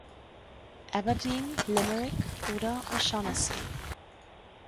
Aberdeen, Limerick oder O'Shaughnessy.